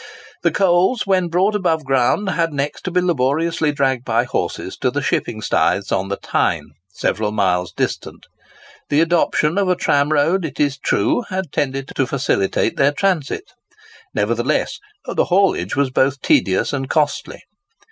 The coals, when brought above ground, had next to be laboriously dragged by horses to the shipping staiths on the Tyne, several miles distant. The adoption of a tramroad, it is true, had tended to facilitate their transit. Nevertheless the haulage was both tedious and costly.